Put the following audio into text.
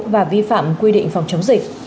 và vi phạm quy định phòng chống dịch